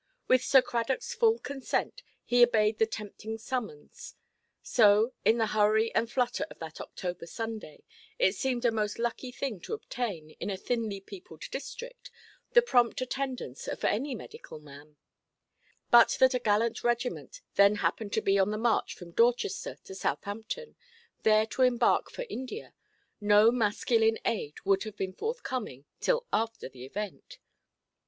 With Sir Cradockʼs full consent, he obeyed the tempting summons. So in the hurry and flutter of that October Sunday, it seemed a most lucky thing to obtain, in a thinly–peopled district, the prompt attendance of any medical man. And but that a gallant regiment then happened to be on the march from Dorchester to Southampton, there to embark for India, no masculine aid would have been forthcoming till after the event.